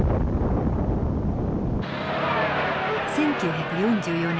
１９４４年。